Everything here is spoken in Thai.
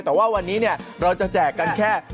แต่ว่าวันนี้เราจะแจกกันแค่